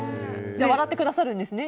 笑ってくださるんですね